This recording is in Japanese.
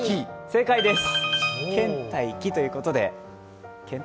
正解です。